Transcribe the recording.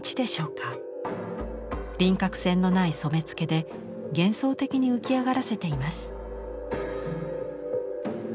輪郭線のない染付で幻想的に浮き上がらせています。